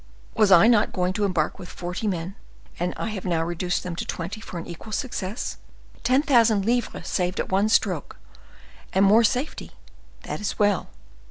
Was I not going to embark with forty men, and I have now reduced them to twenty for an equal success? Ten thousand livres saved at one stroke, and more safety; that is well!